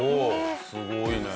すごいね。